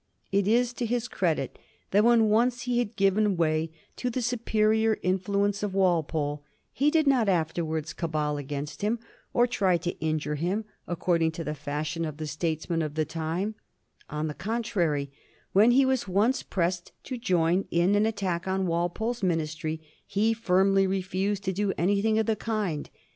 It is to his credit that when once he had given way to the superior influence of Walpole, he did not afterwards cabal against him, or try to injure him, according to the fashion of the statesmen Digiti zed by Google 1730 OMENS OF CHANGE IN FOREIGN POLICY. 399 of the time. On the contrary, when he was once pressed to join in an attack on Walpole's ministry, he firmly refused to do anything of the kind.